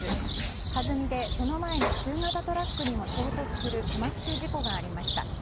はずみでその前の中型トラックにも衝突する玉突き事故ありました。